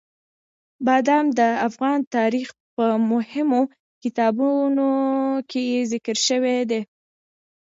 بادام د افغان تاریخ په مهمو کتابونو کې ذکر شوي دي.